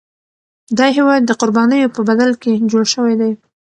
دا هیواد د قربانیو په بدل کي جوړ شوی دی.